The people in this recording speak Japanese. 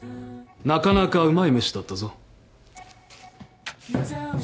なかなかうまい飯だったぞ。